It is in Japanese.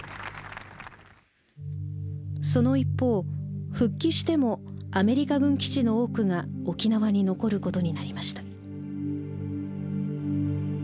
その一方復帰してもアメリカ軍基地の多くが沖縄に残ることになりました。